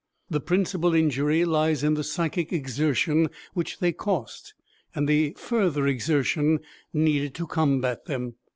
The principal injury lies in the psychic exertion which they cost, and in the further exertion needed to combat them.